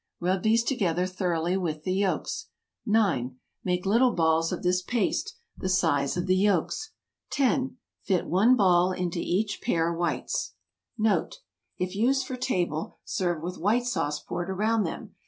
Rub these together thoroughly with the yolks. 9. Make little balls of this paste, the size of the yolks. 10. Fit one ball into each pair whites. NOTE. If used for table, serve with White Sauce poured around them.